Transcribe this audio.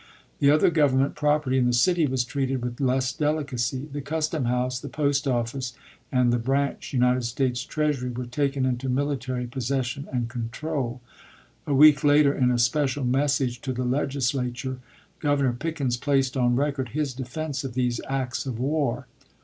The other Government property in the city was treated with less delicacy: the custom house, the post office, and the branch United States Treasury were taken into military possession and control. A week later, in a special message to the Legislature, Gov ernor Pickens placed on record his defense of these acts of war.